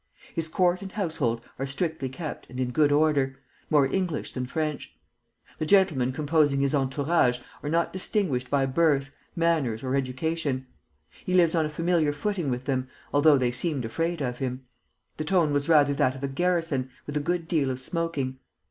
His court and household are strictly kept and in good order, more English than French. The gentlemen composing his entourage are not distinguished by birth, manners, or education. He lives on a familiar footing with them, although they seemed afraid of him. The tone was rather that of a garrison, with a good deal of smoking....